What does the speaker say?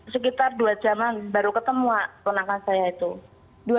sekitar dua jam baru ketemu keponakan saya itu